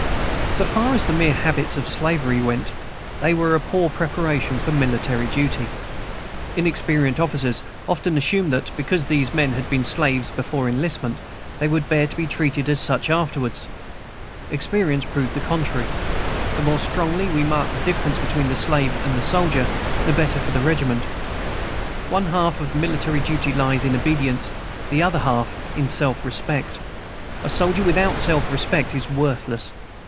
So far as the mere habits of slavery went, they were a poor preparation for military duty. Inexperienced officers often assumed that, because these men had been slaves before enlistment, they would bear to be treated as such afterwards. Experience proved the contrary. The more strongly we marked the difference between the slave and the soldier, the better for the regiment. One half of military duty lies in obedience, the other half in self respect. A soldier without self respect is worthless.